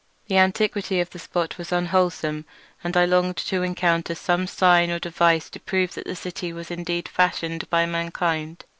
The antiquity of the spot was unwholesome, and I longed to encounter some sign or device to prove that the city was indeed fashioned by mankind.